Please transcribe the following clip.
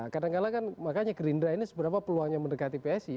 kadang kadang kan makanya gerindra ini seberapa peluangnya mendekati psi